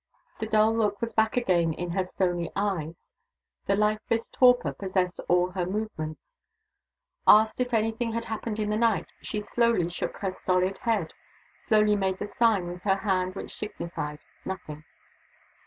The dull look was back again in her stony eyes; the lifeless torpor possessed all her movements. Asked if any thing had happened in the night, she slowly shook her stolid head, slowly made the sign with her hand which signified, "Nothing."